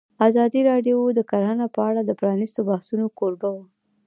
ازادي راډیو د کرهنه په اړه د پرانیستو بحثونو کوربه وه.